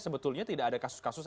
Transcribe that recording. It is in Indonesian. sebetulnya tidak ada kasus kasus